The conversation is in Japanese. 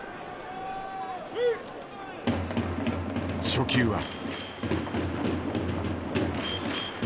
初球は。